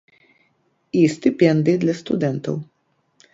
І стыпендыі для студэнтаў.